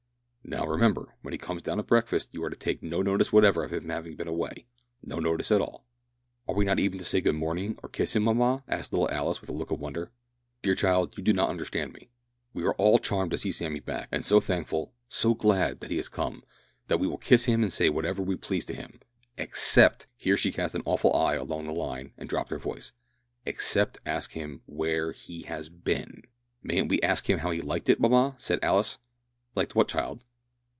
"Now, remember, when he comes down to breakfast you are to take no notice whatever of his having been away no notice at all." "Are we not even to say good morning or kiss him, mamma?" asked little Alice with a look of wonder. "Dear child, you do not understand me. We are all charmed to see Sammy back, and so thankful so glad that he has come, and we will kiss him and say whatever we please to him except," (here she cast an awful eye along the line and dropped her voice), "except ask him where he has been." "Mayn't we ask him how he liked it, mamma?" said Alice. "Liked what, child?"